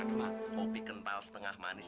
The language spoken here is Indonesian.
aduh lah kopi kental setengah manis